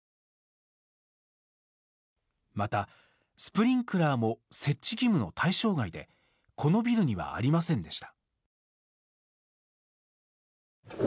また、スプリンクラーも設置義務の対象外でこのビルにはありませんでした。